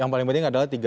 yang paling penting adalah